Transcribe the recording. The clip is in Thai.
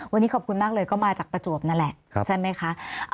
วันนี้ขอบคุณมากเลยก็มาจากประจวบนั่นแหละใช่ไหมคะ